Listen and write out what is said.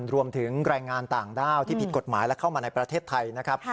รวมถึงแรงงานต่างด้าวที่ผิดกฎหมายและเข้ามาในประเทศไทยนะครับ